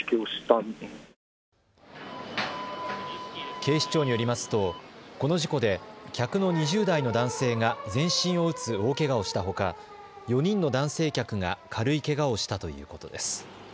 警視庁によりますとこの事故で客の２０代の男性が全身を打つ大けがをしたほか、４人の男性客が軽いけがをしたということです。